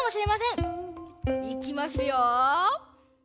いきますよ！